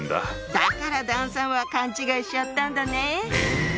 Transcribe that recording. だから段さんは勘違いしちゃったんだね。